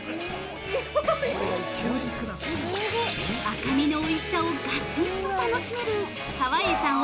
◆赤みのおいしさをガツンと楽しめる川栄さん